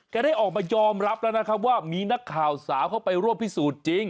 ได้ออกมายอมรับแล้วนะครับว่ามีนักข่าวสาวเข้าไปร่วมพิสูจน์จริง